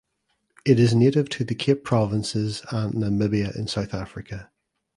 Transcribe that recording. It is native to the Cape Provinces and Namibia in South Africa.